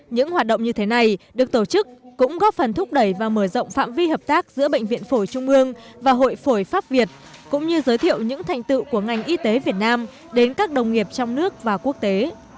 những hoạt động như thế này được tổ chức cũng góp phần thúc đẩy và mở rộng phạm vi hợp tác giữa bệnh viện phổi trung mương và hội phổi pháp việt cũng như giới thiệu những thành tựu của ngành y tế việt nam đến các đồng nghiệp trong nước và quốc tế